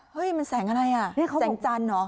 เฮ้ยมันแสงอะไรอ่ะแสงจันทร์เหรอ